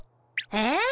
えっ？